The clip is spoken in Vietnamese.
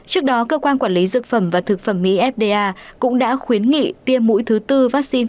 trước đó cơ quan quản lý dược phẩm và thực phẩm mỹ fda cũng đã khuyến nghị tiêm mũi thứ tư vaccine